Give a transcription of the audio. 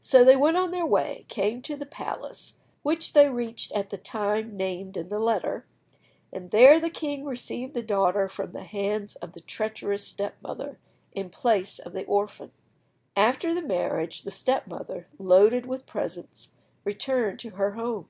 So they went on their way, came to the palace, which they reached at the time named in the letter, and there the king received the daughter from the hands of the treacherous step mother, in place of the orphan. After the marriage, the step mother, loaded with presents, returned to her home.